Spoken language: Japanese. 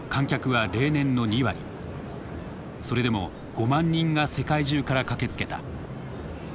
それでも５万人が世界中から駆けつけた。